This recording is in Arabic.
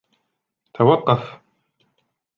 توقف!